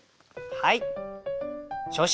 はい！